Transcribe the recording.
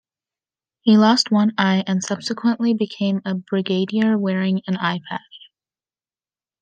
He lost one eye and subsequently became a Brigadier wearing an eyepatch.